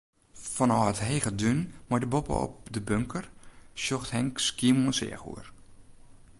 Fanôf it hege dún mei dêr boppe-op de bunker, sjocht Henk Skiermûntseach oer.